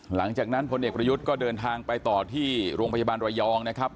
หลังจากนั้นพลเอกประยุทธ์ก็เดินทางไปต่อที่โรงพยาบาลระยองนะครับ